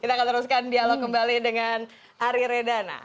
kita akan teruskan dialog kembali dengan ari redana